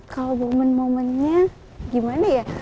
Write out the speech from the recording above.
kalau momen momennya gimana ya